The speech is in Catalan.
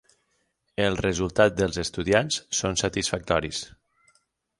Els resultats dels estudiants són satisfactoris.